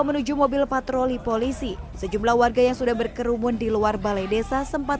menuju mobil patroli polisi sejumlah warga yang sudah berkerumun di luar balai desa sempat